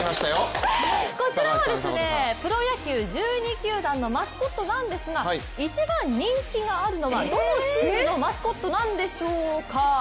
こちらはプロ野球１２球団のマスコットなんですが一番人気があるのはどのチームのマスコットなんでしょうか。